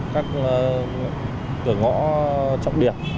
các cửa ngõ trọng điểm